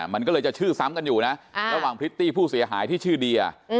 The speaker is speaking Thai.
มันก็เลยจะชื่อซ้ำกันอยู่นะระหว่างพริตตี้ผู้เสียหายที่ชื่อเดีย